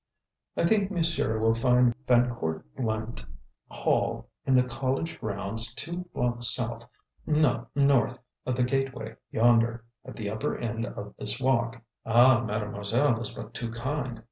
"I think monsieur will find Van Cortlandt Hall in the College grounds two blocks south no, north of the gateway yonder, at the upper end of this walk." "Ah, mademoiselle is but too kind!"